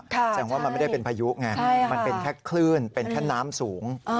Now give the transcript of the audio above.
แสดงว่ามันไม่ได้เป็นพายุไงมันเป็นแค่คลื่นเป็นแค่น้ำสูง